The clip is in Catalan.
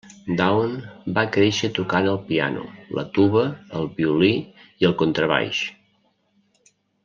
Down va créixer tocant el piano, la tuba, el violí i el contrabaix.